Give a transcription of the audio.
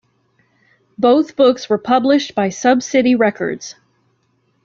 Both books were published by Sub City Records.